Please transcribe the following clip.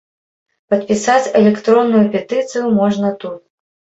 Падпісаць электронную петыцыю можна тут.